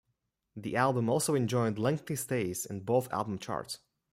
The album also enjoyed lengthy stays in both album charts.